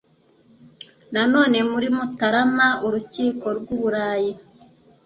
Nanone muri Mutarama Urukiko rw u Burayi